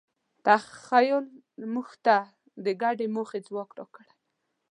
تخیل موږ ته د ګډې موخې ځواک راکړی.